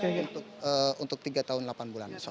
untuk tiga tahun delapan bulan